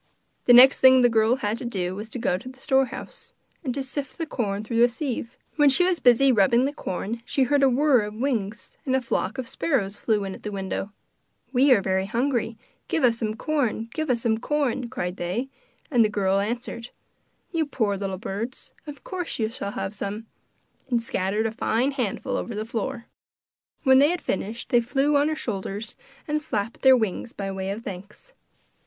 The next thing the girl had to do was to go to the storehouse, and to sift the corn through a sieve. While she was busy rubbing the corn she heard a whirr of wings, and a flock of sparrows flew in at the window. 'We are hungry; give us some corn! give us some corn!' cried they; and the girl answered: 'You poor little birds, of course you shall have some!' and scattered a fine handful over the floor. When they had finished they flew on her shoulders and flapped their wings by way of thanks.